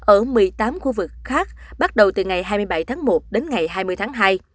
ở một mươi tám khu vực khác bắt đầu từ ngày hai mươi bảy tháng một đến ngày hai mươi tháng hai